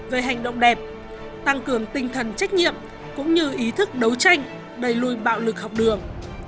về hành động đẹp tăng cường tinh thần trách nhiệm cũng như ý thức đấu tranh đẩy lùi bạo lực học đường